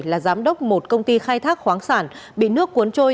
là giám đốc một công ty khai thác khoáng sản bị nước cuốn trôi